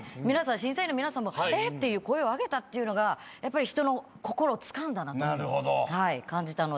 審査員の皆さんも「えっ⁉」っていう声を上げたってのが人の心をつかんだなと感じたので。